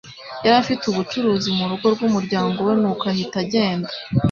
Yari afite ubucuruzi murugo rwumuryango we nuko ahita agenda.